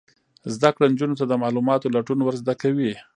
زده کړه نجونو ته د معلوماتو لټون ور زده کوي.